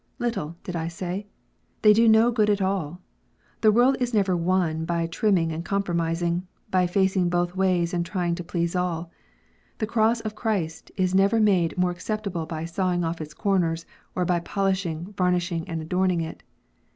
Little, did I say ? they do no good at all ! The world is never won by trimming, and compromising, by facing both ways, and trying to please all. The cross of Christ is never made more acceptable by sawing off its corners, or by polishing, varnishing, and adorning it.